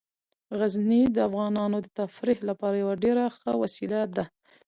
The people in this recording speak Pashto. غزني د افغانانو د تفریح لپاره یوه ډیره ښه وسیله ده.